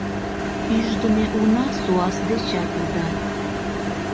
Ӱждымӧ уна суас дечат уда.